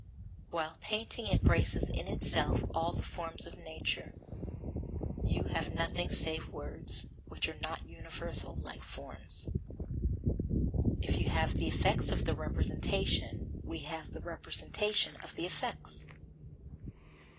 While painting embraces in itself all the forms of nature, you have nothing save words, which are not universal, like forms. If you have the effects of the representation, we have the representation of the effects.